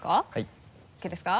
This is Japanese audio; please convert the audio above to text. ＯＫですか？